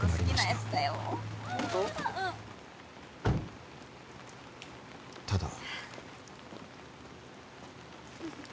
［ただ］